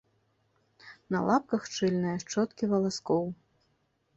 На лапках шчыльная шчоткі валаскоў.